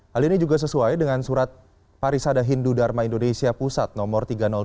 hal ini juga sesuai dengan surat parisada hindu dharma indonesia pusat nomor tiga ratus dua